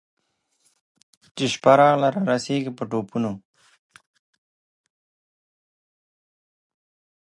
چي شپه راغله رارسېږي په ټوپونو